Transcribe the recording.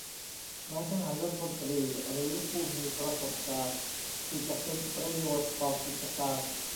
นายทหารยศพลตรี หรือผู้มีประสบการณ์ที่จะเป็นประโยชน์ต่อกิจการ